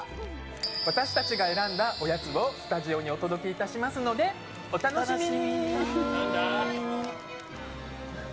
私たちが選んだおやつをスタジオにお届けしますのでお楽しみに！